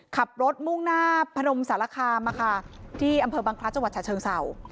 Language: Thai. ขับรถมุ่งหน้าพนมสารคามที่อำเภอบังคลัสจังหวัดฉะเชิงเศร้า